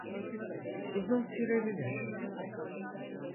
Uzun sürebilir.